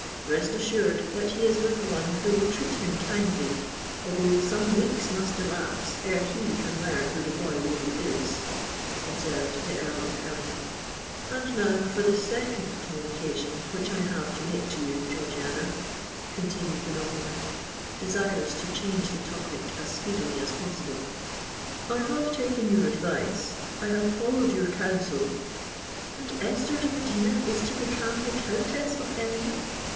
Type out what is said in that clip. "Rest assured that he is with one who will treat him kindly, although some weeks must elapse ere he can learn who the boy really is," observed the Earl of Ellingham. "And now for the second communication which I have to make to you, Georgiana," continued the nobleman, desirous to change the topic as speedily as possible. "I have taken your advice—I have followed your counsel——" "And Esther de Medina is to become the Countess of Ellingham?"